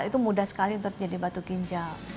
itu mudah sekali untuk jadi batu ginjal